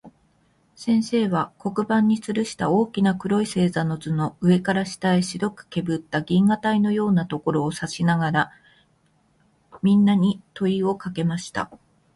先生は、黒板に吊つるした大きな黒い星座の図の、上から下へ白くけぶった銀河帯のようなところを指さしながら、みんなに問といをかけました。